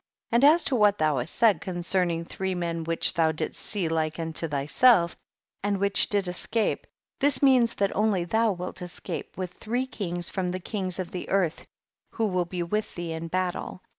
54. And as to what thou hast said concerning three men which thou didst see like unto thyself, and which did escape, this means that only thou wilt escape with three kings from the kings of the earth who will be with thee in battle.